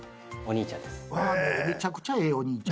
めちゃくちゃええお兄ちゃん。